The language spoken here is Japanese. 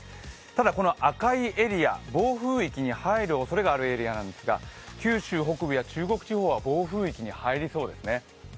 ただ、この赤いエリア、暴風域に入るおそれのあるエリアですが九州北部や中国地方は暴風域に入りそうですね。